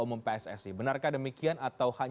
gimanain sih nama teman teman